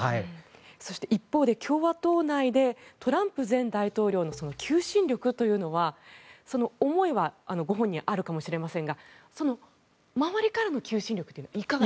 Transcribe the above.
一方で共和党内でトランプ前大統領の求心力というのは、思いはご本人はあるかもしれませんが周りからの求心力はどうなんでしょうか？